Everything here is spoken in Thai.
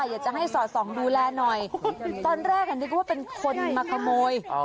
อยากจะให้สอดส่องดูแลหน่อยตอนแรกนึกว่าเป็นคนมาขโมย